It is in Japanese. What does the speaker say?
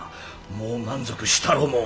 もう満足したろもん。